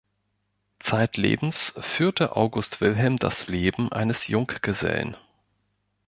Zeitlebens führte August Wilhelm das Leben eines Junggesellen.